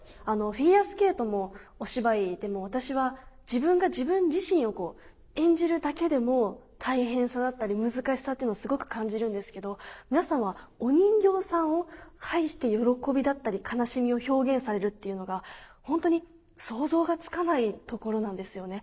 フィギュアスケートもお芝居でも私は自分が自分自身を演じるだけでも大変さだったり難しさっていうのをすごく感じるんですけど皆さんはお人形さんを介して喜びだったり悲しみを表現されるっていうのが本当に想像がつかないところなんですよね。